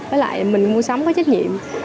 với lại mình mua sắm có trách nhiệm